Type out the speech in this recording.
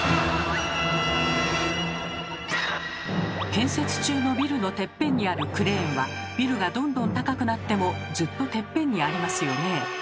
建設中のビルのテッペンにあるクレーンはビルがどんどん高くなってもずっとテッペンにありますよねえ。